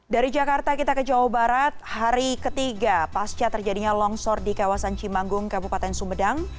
dari jakarta kita ke jawa barat hari ketiga pasca terjadinya longsor di kawasan cimanggung kabupaten sumedang